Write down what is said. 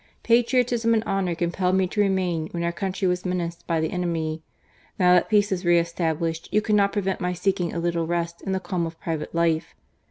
... Patriotism and honour compelled me to remain when our country was menaced by the enemy. Now that peace is re established, you cannot prevent my seeking a little rest in the calm of private life.